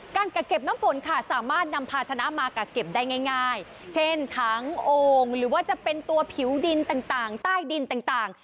กักเก็บน้ำฝนค่ะสามารถนำพาชนะมากักเก็บได้ง่ายเช่นถังโอ่งหรือว่าจะเป็นตัวผิวดินต่างใต้ดินต่าง